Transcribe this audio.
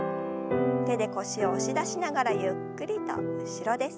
手で腰を押し出しながらゆっくりと後ろです。